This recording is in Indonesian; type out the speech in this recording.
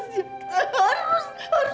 kita harus balas ya